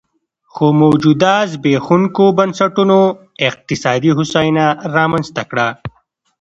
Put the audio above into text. خو موجوده زبېښونکو بنسټونو اقتصادي هوساینه رامنځته کړه